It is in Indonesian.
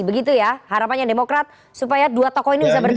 begitu ya harapannya demokrat supaya dua tokoh ini bisa bertemu